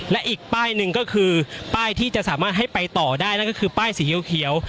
และอีกป้ายหนึ่งก็คือป้ายที่จะสามารถให้ไปต่อได้นั่นก็คือป้ายสีเขียว